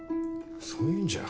そういうんじゃ。